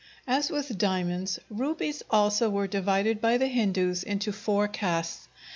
As with diamonds, rubies also were divided by the Hindus into four castes.